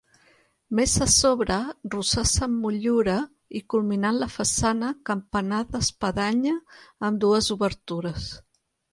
Més a sobre, rosassa amb motllura, i culminant la façana, campanar d'espadanya amb dues obertures.